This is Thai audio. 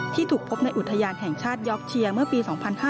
ที่ถูกพบในอุทยานแห่งชาติยอกเชียร์เมื่อปี๒๕๕๙